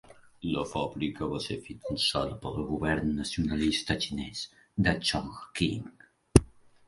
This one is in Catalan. La fàbrica va ser finançada pel govern nacionalista xinès de Chongqing.